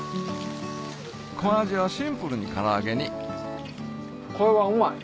小アジはシンプルにから揚げにこれはうまい。